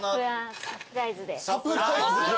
サプライズ？